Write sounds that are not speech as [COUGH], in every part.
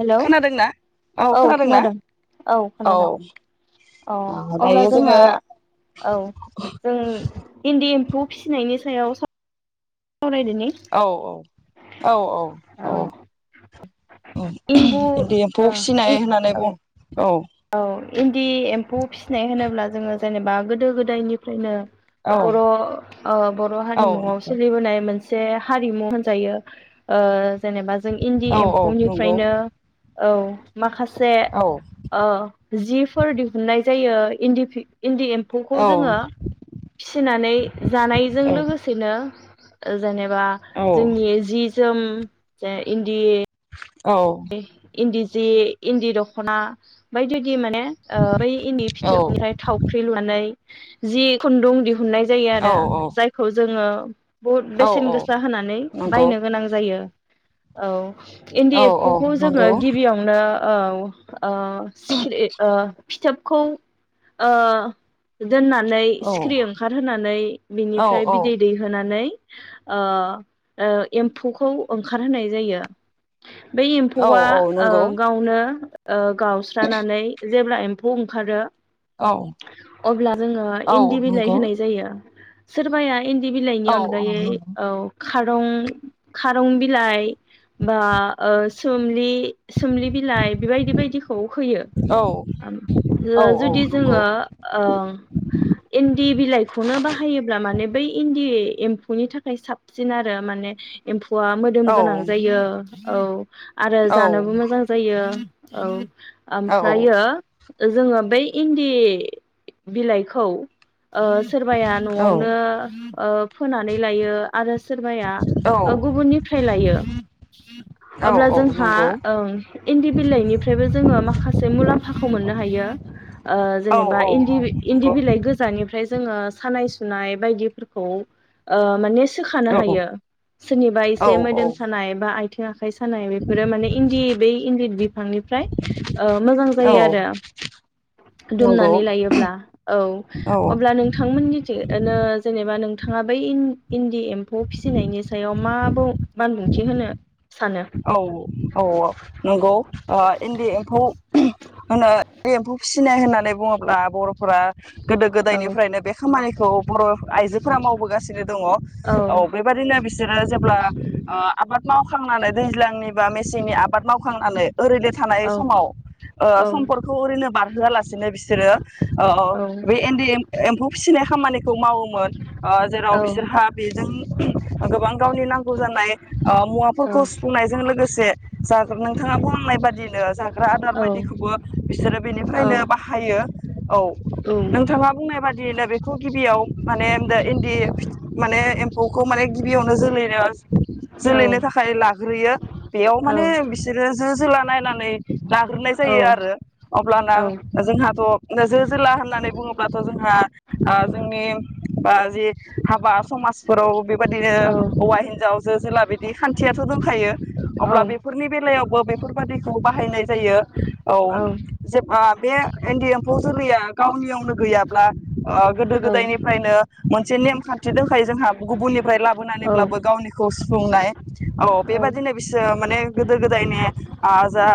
Hello खोनादोंना औ खोनादों औ खोनादों औ अब्ला दायो जोंहा जोङो औ जों इनदि एमफौ फिसिनायनि सायाव सावरायदिनि औ औ औ औ औ इम्बु इनदि एमफौ ओ फिनाय होननानै बु औ अ इनदि एमफौ फिसिनाय होनोब्ला जोङो जेनेबा गोदो गोदायनिफ्रायनो औ बर' अ बर' औ हारिमुआव सोलिबोनाय मोनसे मोनसे हारिमु होनजायो ओ जेनेबा जों इन्दि औ औ नंगौ एमफौनिफ्रायनो औ माखासे औ जिफोर दिहुननाय जायो इन्दि इनदि एमफौखौ औ जोङो फिसिनानै जानायजों लोगोसेनो ओ जेनेबा औ जोंनि जि जोम उ जे इनदि औ इनदि जि इनदि दख'ना बायदि बिदि माने अ बै इनदि औ फिथोबनिफ्राय थावख्रि लुनाय जि खुन्दुं दिहुन दिहुननाय जायो औ आरो जायखौ जोङो [INAUDIBLE] बहुद औ बेसेन औ गोसा होनानै नंगौ बायनो गोनां जायो औ इन्दि औ औ खुखौ जोङो नंगौ गिबियावनो औ ओ सिखिरि ओ फिथोबखौ ओ दोननानै औ सिखिरि ओंखारहोनानै औ बिनिफ्राय बिदै दैहोनानै ओ ओम एम्फौखौ ओंखारहोनाय जायो बै औ एम्फौआ औ ओ नंगौ गावनो ओ गावस्रानानै जेब्ला एम्फौ ओंखारो औ अब्ला जोङो औ इन्दि बिलाइ नंगौ औ नंगौ होनाय जायो सोरबाया इन्दि बिलाइनि औ अनगायै औ खारं खारं बिलाइ बा ओ सोमलि सोमलि बिलाइ बेबायदि बायदिखौ होयो औ औ जुदि नंगौ जोङो ओ इनद इन्दि बिलाइखौनो बाहायोब्ला माने बै इन्दि एम्फौनि थाखाय साबसिन आरो माने एमफ गवा मोदोम औ गोनां जायो औ आरो जानोबो मोजां जायो औ ओमफ्रायो जोङो बै इन्दि बिलाइखौ ओ सोरबाया औ न'आवनो फोनानै लायो आरो सोरबाया औ गुबुननिफ्राय लायो औ अब्ला औ जोंहा नंगौ ओम इन्दि बिलाइनिफ्रायबो जोङो माखासे मुलाम्फाखौ मोननो हायो ओ औ जेनेबा औ इन्दि औ इन्दि नंगौ बिलाइ गोजानिफ्राय जोङो बा सानाय सुनाय बायदि फोरखौ ओ माने सोखानो हायो सोरनिबा औ एसे औ मोदोम सानाय बा आ जाखयस सानाय बेफोरो माने इन्दि बै इन्दि बिफ निफ्राय मोजां औ जायो आरो नंगौ दुमनानै लायोब्ला औ औ अब्ला नोंथांमोननिथिं जेनेबा नों नोंथाङा बै इन्दि एमफौ एम्फौ फिसिनायनि सायाव माबुं बानबुंथि होनो सानो औ औ औ नंगौ इन्दि एम्फौ होनो एम्फौ फिसि सिनाय होननानै बुङोब्ला बर' फोर गोदो औ गोदायनिफ्रायनो बे खामानिखौ बर' आइजोफोरा मावबोगासिनो दङ औ नोंगौ बेबादिनो बिसोरो जेब्ला आबाद माव खांनानै दैज्लांनि बा मेसेंनि मेसेंनि आबाद मावखांनानै ओरैनो थानाय समाव सम्फोरखौखौ ओरैनो नो बारहोआलासेनो बिसोरो ओ ओ औ बे एन्दि एम्फौ फिसिनाय खामानिखौ मावोमोन जेराव बिसोरहा बेजों गोबां गावनि नांगौ जानाय मुवा खौ सुफुंनायजों लोगोसे जागोन नोंथाङा बुंनाय बादिनो जागोन आदार बायदिखौबो बिसोरो बेनिफ्रायनो बाहायो औ नोंथाङा बुंनाय बादि बिदिनो बेखौ गिबियाव माने इन्दि माने एम्फौखौ माने गिबियावनो जोलैनो जोलैनो थाखाय फ्राय लाग्रोयो बेयाव माने बिसोरो जो जोला नायनानै लाग्रोनाय जायो आरो अब्लाना जोंहाथ' जो जोला होननानै बुङोब्लाथ' जोंहा जोंनि जि हाबा समाजफोराव बेबायदिनो हौवा हिनजाव जो जेला बिदि खान्थियाथ' दंखायो अब्ला बेफोरनि बेलायावबो बेफोरबादिखौ बाहायनाय जायो औ जे बे इन्दि एम्फौ जोलैया गावनियावनो गैयाब्ला ओ गोदो गोदायनिफ्रायनो मोनसे नेमखान्थि दंखायो जोंहा गुबुननिफ्राय लाबोनानैब्लाबो गावनिखौ सुफुंनाय औ बेबादिनो बिसोरो माने गोदो गोदायनि आ जा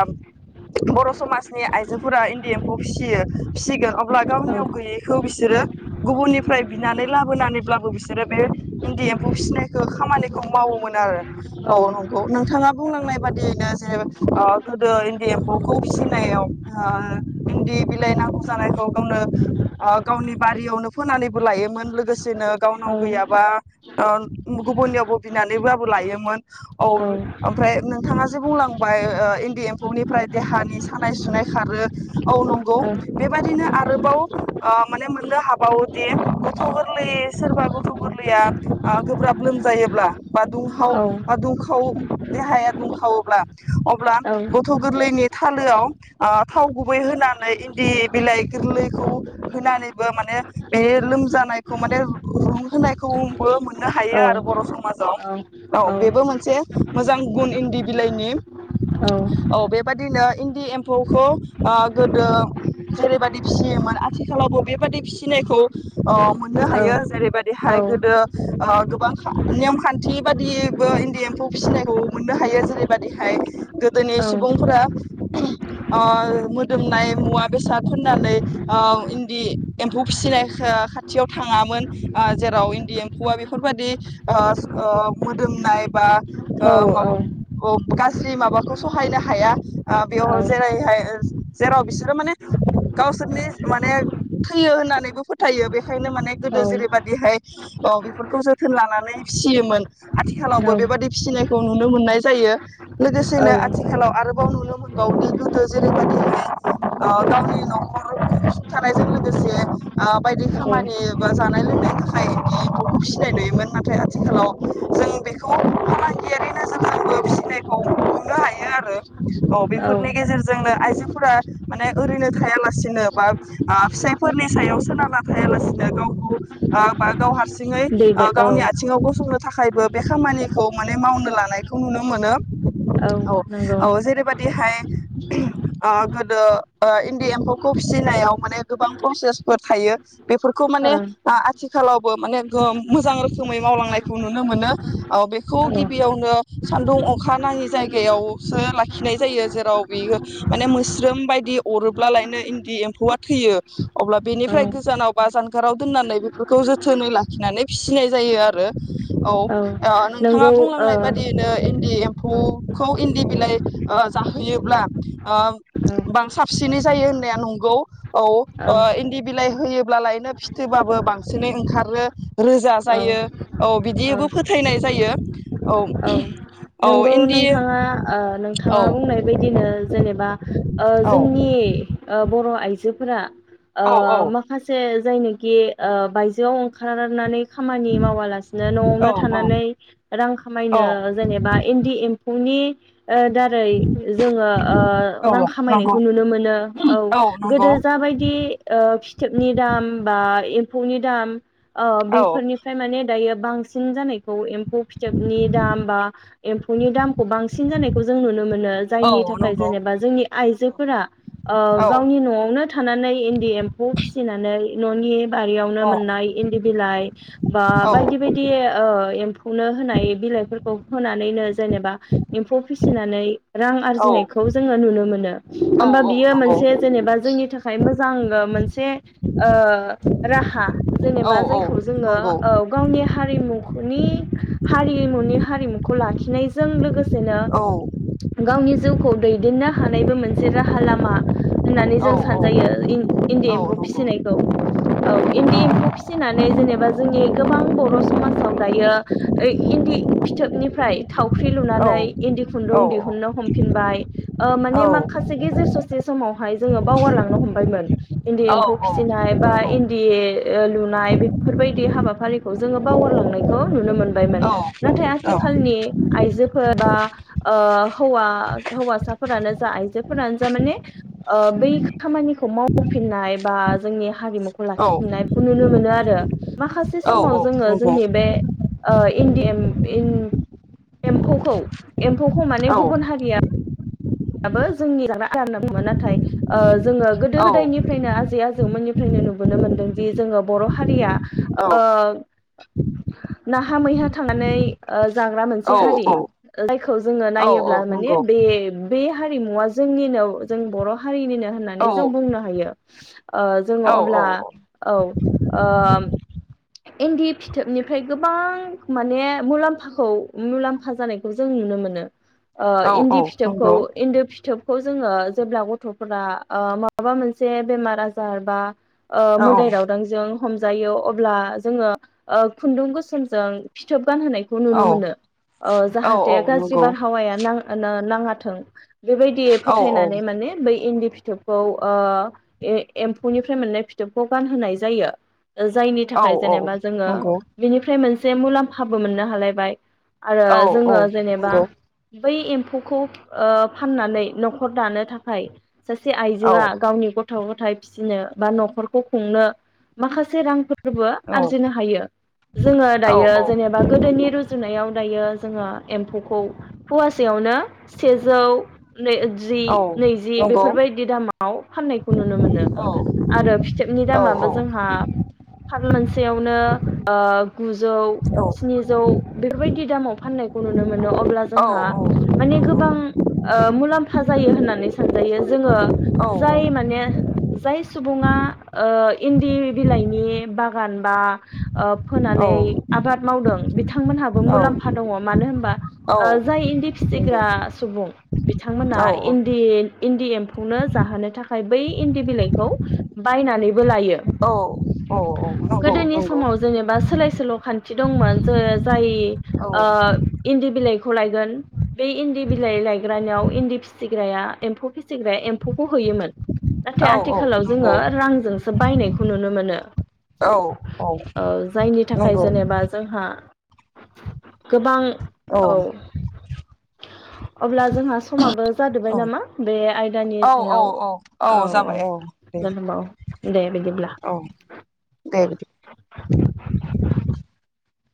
बर' समाजनि आइजोफोरा इन्दि एम्फौ फिसियो फिसिगोन अब्ला गावनियाव गैयैखौ बिसोरो गुबुननिफ्राय बिनानै लाबोनानैब्लाबो बिसोरो बे इन्दि एम्फौ फिसिनायखौ खामानिखौ मावोमोन आरो औ नंगौ नोंथाङा बुंलांनाय बादियैनो जे ओ गोदो इन्दि एम्फौखौ फिसिनायाव ओ इन्दि बिलाइ नांगौ जानायखौ गावनो ओ गावनि बारियावनो फोनानैबो लायोमोन लोगोसेनो गावनाव गैयाबा ओ गुबुननियावबो बिनानैबाबो लायोमोन औ ओमफ्राय नोंथाङा जे बुंलांबाय ओ इन्दि एम्फौनिफ्राय देहानि सानाय सुनाय खारो औ नंगौ बेबायदिनो आरोबाव ओ माने मोननो हाबावोदि गथ' गोरलै सोरबा गथ' गोरलैया ओ गोब्राब लोमजायोब्ला बा औ बा दुंखाव देहाया दुंखावोब्ला अब्ला गथ' गोरलैनि थालोआव थाव ओ गुबै होनानै इन्दि बिलाइ गोरलैखौ होनानैबो माने बे लोमजानायखौ माने रुं होनायखौबो मो मोननो हायो आरो बर' समाजाव औ बेबो मोनसे मोजां गुन इंदि बिलाइनि औ बेबादि बिदिनो इन्दि एम्फौखौ ओ गोदो जेरैबायदि फिसियोमोन आथिखालावबो बेबायादि फिसिनायखौ ओ नो हायो जेरैबाय बेहाय गोदो ओ गोबां नेम खान्थि बा बो इन्दि एम्फौ फिसिनायखौ मोननो हायो जेरैबादिहाय गोदोनि सुबुंफोरा ओ मोदोमनाय मुवा बेसाद फोननानै ओ इन्दि एम्फौ फिसिनाय खाथियाव थाङामोन ओ जेराव इन्दि एम्फौआ बेफोरबायदि ओ मोदोमनाय बा ओ माबा अ स्रि माबाखौ सहायनो हाया बेयाव जेरैहाय जेराव बिसोरो माने गावसोरनि माने थैयो होननानैबो फोथायो बेखायनो माने गोदो जेरैबादिहाय ओ बेफोरखौ जोथोन लानानै फिसियोमोन आथिखालावबो बेबादि फिसिनायखौ नुनो मोननाय जायो लोगोसेनो आथिखालाव आरो नुनो मोनगौ बे गोदो जेरैबायदि ओ गावनि न'खरावसुं थानायजों लोगोसे ओ बायदि खामानि बा जानाय लोंनायनि थाखाय बि एमफौखौ फिसिनाय नुयोमोन नाथाय आथिखालाव जों बेखौ फालांगियारि नोजोरजोंबो फिसिनायखौ मोननो हायो आरो औ बेफोरनि गेजेरजोंनो आइजोफोरा माने ओरैनो थाया लासिनो बा ओ फिसायफोरनि सायाव सोनारना थायालासिनो गावखौ ओ बा गाव हारसिं ओ गावनि ओ आथिङाव गसंनो थाखायबो बे खामानिखौ माने मावनो लानायखौ नुनो मोनो औ औ नंगौ। जेरैबादिहाय ओ गोदो ओ इन्दि एम्फौखौ फिसिनायाव माने गोबां प्रसेसफोर थायो बेफोरखौ माने आ आथिखालावबो माने मोजां रोखोमै मावलांनाय बेखौ नुनो मोनो ओ बेखौ गिबियावनो सानदुं अखा नाङि जायगायावसो लाखिनाय जायो जेराव बियो माने मोस्रोम बायदि अरोब्लालायनो इन्दि एम्फौआ थैयो अब्ला बेनिफ्राय गोजानाव बा जानगाराव दोननानै बेफोरखौ जोथोनै लाखिनानै फिसिनाय जायो आरो औ नोंथाङा बुंलांनाय ओ बादियैनो इनदि दि औ एम्फौखौ इन्दि बिलाइ ओ जाहोयोब्ला ओ बां साबसिनै जायो होननाया नंगौ औ इन्दि बिलाइ होयोब्ला लायनो फिथोबाबो बांसिनै ओंखारो रोजा औ जायो औ बिदियैबो फोथायनाय जायो औ औ इन्दि नोंथाङा ओ औ नोंथाङा बुंनाय बायदिनो जेनेबा ओ औ जोंनि ओ बर' आइ जोफोरा ओ औ माखासे जायनोखि ओ बायजोआव ओंखारनानै खामानि मावालासिनो न'आवनो औ थानानै रां औ खामायनो जेनेबा एनदि एम नि ओ दारै जोङो ओ औ रां नंगौ खामायनायखौ नुनो मोनो औ गोदो जाबायदि ओ फिथोबनि दाम बा ओ एम्फौनि दाम अ औ बेफोरनिफ्राय माने दायो बांसिन जानायखौ एम फौ फिथोबनि दाम बा एम्फौ नि दाम खौ बांसिन जानायखौ जों नुनो मोनो औ जायनि थाखाय नंगौ जेनेबा जोंनि आइजोफोरा ओ औ गावनि न'आवनो थानानै इन्दि एम्फौ फिसिनानै न'नि बारियावनो औ मोननाय इन्दि बिलाइ बा औ बायदि बायदि ओ एम्फौनो होनाय बिलाइफोरखौ होनानैनो जेनेबा एम्फौ फिसिनानै रां औ आरजिनायखौ जोङो नुनो मोनो होमबा बियो नंगौ मोनसे जेनेबा जोंनि थाखाय मोजां ओ मोनसे ओ राहा औ जेनेबा औ जायखौ जोङो नंगौ औ गावनि हारिमु नि हारिमुनि हारिमुखौ लाखिनाय जों लोगोसेनो औ गावनि जिउखौ दैदेननो हानायबो मोनसे राहा लामा होननानै औ जों सानजायो इन इन्दि एम्फौ नंगौ फिसिनायखौ औ इन्दि एम्फौ फिसिनानै जेनेबा जोंनि गोबां बर' समाजाव दायो ओइ इन्दि फिथोबनिफ्राय थाव ख्रि औ लुनानै इन्दि खुन्दुं दिहुनो हमफिन बाय ओ माने औ माखासे गेजेर ससे समाव हाय जोङो बावारलांनो हमबायमोन इन्दि औ एम्फौ औ फिसिनाय बा नंगौ इन्दि ओ लुनाय बेफोरबायदि हाबाफारिखौ जोङो बावगारलांनायखौ नुनो मोन औ औ [INAUDIBLE] [UNINTELLIGIBLE] ओ हौवासाफोरानो जा आइजोफोरानो जा माने ओ बै खामानिखौ मावफिननाय बा जोंनि हारिमुखौ औ लाखिफिननायखौ नुनो मोनो आरो आरो माखासे औ औ समाव जोङो नंगौ जोंनि बे ओ इन्दि एम इन [UNINTELLIGIBLE] एम्फौखौ एम्फौखौ औ माने गुबुन हारिया [UNINTELLIGIBLE] जोङो गोदो औ गोदायनिफ्रायनो आजै आजौमोननि फनो नुबोनो मोनदोंदि जोङो बर' हारिया ओ नाहा मैहा थांनानै ओ जाग्रा मोनसे औ हारि जायखौ जोङो औ औ नायोब्ला माने नंगौ बे हारिमुवा जोंनिनो जों बर' हारिनिनो औ होननानै जों बुंनो हायो ओ जोङो औ अब्ला औ इन्दि फिथोबनिफ्राय गोबां माने मुलाम्फाखौ मुलाम्फा जानायखौ जों नुनो मोनो ओ औ इन्दि औ फिथोब खौ नंगौ एन्दोब फिथोब खौ जोङो जेब्ला गथ'फोरा ओ माबा मोनसे बेमार आजार बा ओ औ मोदाय दावदांजों हमजायो अब्ला जों ओ खुुंन्दुं गोसोमजों फिथोब गान होनायखौ औ नुनो मोनो ओ औ जाहाथे गाज्रि नंगौ बारहावाया न थों बेबायदियै औ नंगौ औ फोथायनानै माने बै इन्दि फिथोबखौ ओ ए-एम्फौनिफ्राय मोननाय फिथोबखौ गानहोनाय जायो जायनि औ नंगौ औ थाखाय औ जेनेबा जोङो नंगौ बिनिफ्राय मोनसे से मुलाम्फाबो मोननो हालायबाय आरो औ नंगौ औ जोङो जेनेबा औ बै एम्फौखौ ओ फाननानै न'खर दानो थाखाय सासे आइजोआ गावनि गथ' गथ' गथाय फिसिनो बा न'खौ खुंनो माखसे रां फोरबो आरजिनो हायो जोङो दायो जेनेबा गोदोनि रुजुनायाव दायो जोङो एम्फौखौ फुवासेयावनो सेजौ जि नैजि बेफोरबायदि दामाव फाननायखौ नुनो मोनो आरो फिथोबनि दामाबो जोंहा फार मोनसेयावनो अ गुस जौ स्नि जौ बेफोरबायदि दामाव फाननायखौ नुनो मोनो अब ब्लाड जोंहा माने गोबां ओ मुलाम्फा जायो होननानै सानजायो जोङो जाय माने जाय सुबुङा ओ इन्दि बिलाइनि बागान बा ओ फोनानै आबाद मावदों बे बिथांमोनहाबो मुलाम्फा दङ मानो होनबा ओ जाय इन्दि फिसि फिसिग्रा सुबुं बिथांमोना इन्दि इन्दि एम्फौनो जाहोनो थाखाय बै इन्दि बिलाइखौ बायनानै बो लायो औ नंगौ गोदोनि नंगौ समाव जेनेबा सोलाय सोल' खान्थि दंमोन जो जाय औ ओ इन्दि बिलाइ लायगोन बे इन्दि बिलाइ लायग्रानियाव इन्दि फिसिग्राया एम्फौ फिसिग्राया एम्फौखौ होयोमोन। नाथाय औ आथिखालाव जोङो नंगौ रांजोंसो बायनायखौ नुनो मोनो औ औ जायनि थाखाय नंगौ जेनेबा जोंहा गोबां औ अब्ला जोंहा समाबो जादोबाय नामा बे आयदानि औ औ सायाव? औ औ जाबाय औ दे औ दे बिदि